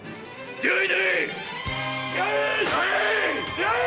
出会え！